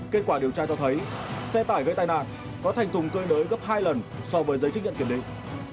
kết quả điều tra cho thấy xe tải gây tai nạn có thành tùng cơi nới gấp hai lần so với giấy chứng nhận kiểm định